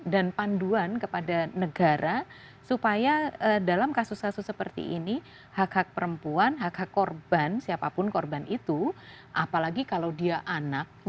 dan panduan kepada negara supaya dalam kasus kasus seperti ini hak hak perempuan hak hak korban siapapun korban itu apalagi kalau dia anak